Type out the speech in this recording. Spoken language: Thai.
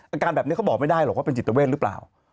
อาการแบบนี้เขาบอกไม่ได้หรอกว่าเป็นจิตเวทหรือเปล่า